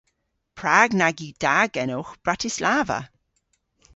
Prag nag yw da genowgh Bratislava?